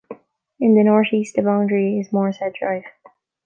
In the north east the boundary is Morshead Drive.